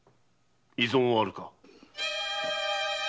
異存はあるか。